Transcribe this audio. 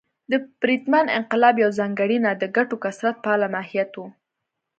د پرتمین انقلاب یوه ځانګړنه د ګټو کثرت پاله ماهیت و.